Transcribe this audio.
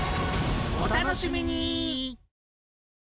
お楽しみに！